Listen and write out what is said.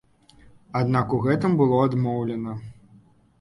Аднак у гэтым было адмоўлена.